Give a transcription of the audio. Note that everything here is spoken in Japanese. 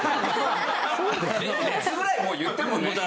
「列」ぐらいもう言ってもね。